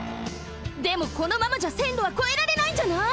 でもこのままじゃせんろはこえられないんじゃない？